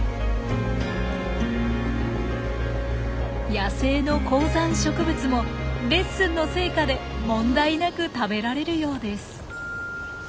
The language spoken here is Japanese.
野生の高山植物もレッスンの成果で問題なく食べられるようです。